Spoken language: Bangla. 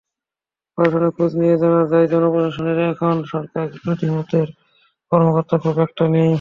প্রশাসনে খোঁজ নিয়ে জানা যায়, জনপ্রশাসনে এখন সরকারবিরোধী মতের কর্মকর্তা খুব একটা নেই।